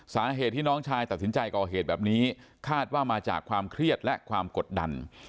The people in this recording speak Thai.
สาเหตุที่น้องชายตัดสินใจก่อเหตุแบบนี้คาดว่ามาจากความเครียดและความกดดัน